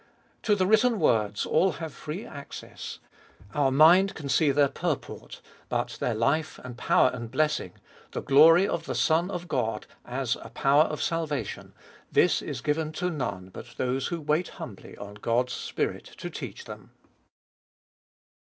To the written words all have free access ; our mind can see their purport ; but their life and power and blessing, the glory of the Son of God as a power of salvation — this is given to none but those who wait humbly on God's Spirit to teach them.